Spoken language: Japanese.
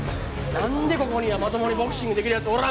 なんでここにはまともにボクシングできる奴おらんねん！